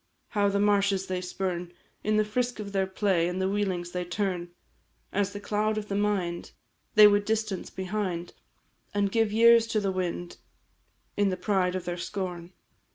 How the marshes they spurn, In the frisk of their play, And the wheelings they turn, As the cloud of the mind They would distance behind, And give years to the wind, In the pride of their scorn!